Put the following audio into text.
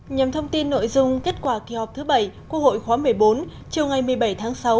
nhằm thông tin nội dung kết quả kỳ họp thứ bảy quốc hội khóa một mươi bốn chiều ngày một mươi bảy tháng sáu